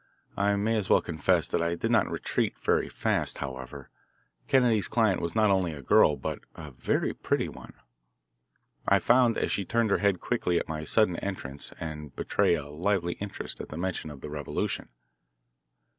I may as well confess that I did not retreat very fast, however. Kennedy's client was not only a girl, but a very pretty one, I found, as she turned her head quickly at my sudden entrance and betray a lively interest at the mention of the revolution.